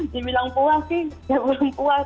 dibilang puas sih ya kurang puas